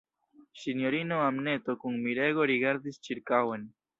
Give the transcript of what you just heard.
Sinjorino Anneto kun mirego rigardis ĉirkaŭen.